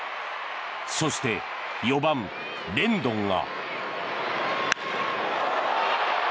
そして４番、レンドンが。